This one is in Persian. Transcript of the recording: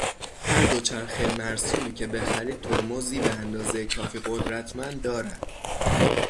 هر دوچرخه مرسومی که بخرید، ترمزی به اندازه کافی قدرتمند دارد.